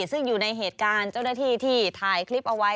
ซึ่งอยู่ในเหตุการณ์เจ้าหน้าที่ที่ถ่ายคลิปเอาไว้